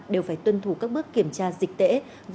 đều phải tuân thủ các bước kiểm tra dịch tễ